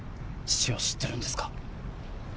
父を知ってるんですか？